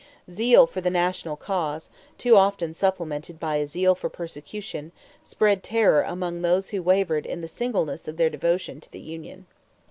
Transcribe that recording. Zeal for the national cause, too often supplemented by a zeal for persecution, spread terror among those who wavered in the singleness of their devotion to the union.